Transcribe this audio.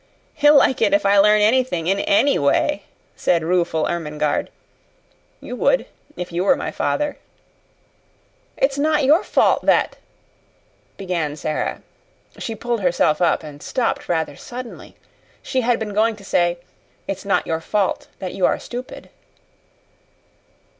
"He'll like it if I learn anything in ANY way," said rueful Ermengarde. "You would if you were my father." "It's not your fault that " began Sara. She pulled herself up and stopped rather suddenly. She had been going to say, "It's not your fault that you are stupid."